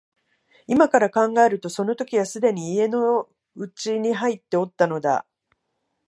今から考えるとその時はすでに家の内に入っておったのだ